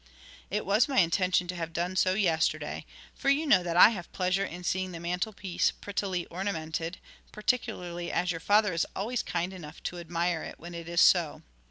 It was my intention to have done so yesterday, for you know that I have pleasure in seeing the mantelpiece prettily ornamented, particularly as your father is always kind enough to admire it when it is so.